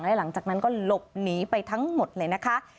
และหลังจากนั้นก็หลบหนีไปทั้งหมดเลยนะคะ